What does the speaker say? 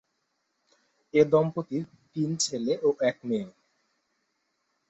এ দম্পতির তিন ছেলে ও এক মেয়ে।